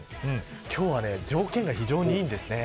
今日は条件が非常にいいんですね。